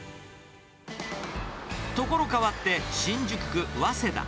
所変わって、新宿区早稲田。